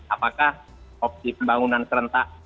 apakah opsi pembangunan serentak